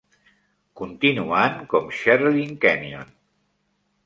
Continuant com Sherrilyn Kenyon.